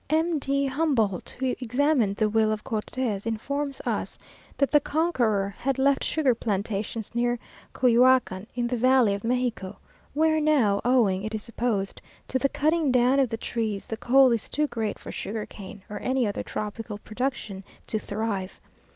M. de Humboldt, who examined the will of Cortes, informs us that the conqueror had left sugar plantations near Cuyoacan, in the valley of Mexico, where now, owing, it is supposed, to the cutting down of the trees, the cold is too great for sugar cane or any other tropical production to thrive.